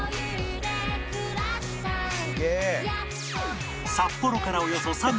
「すげえ」